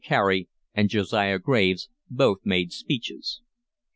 Carey and Josiah Graves both made speeches.